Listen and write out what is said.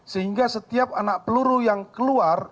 sehingga setiap anak peluru yang keluar